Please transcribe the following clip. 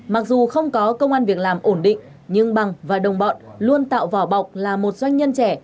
mặc dù không có công an việc làm ổn định nhưng bằng và đồng bọn luôn tạo vỏ bọc là một doanh nhân trẻ